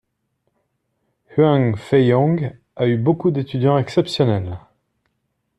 Huang Feihong a eu beaucoup d'étudiants exceptionnels.